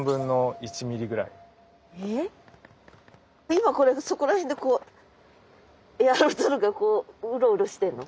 今これそこら辺でこうエアロゾルがうろうろしてんの？